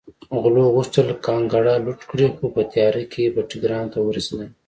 غلو غوښتل کانګړه لوټ کړي خو په تیاره کې بټګرام ته ورسېدل